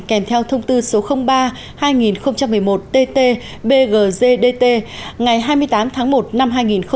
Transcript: kèm theo thông tư số ba hai nghìn một mươi một tt bggdtt ngày hai mươi tám tháng một năm hai nghìn một mươi bảy